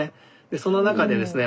その中でですね